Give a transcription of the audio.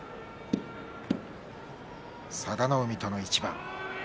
佐田の海との一番。